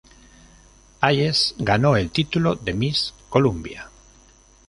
Hayes ganó el título de Miss Columbia.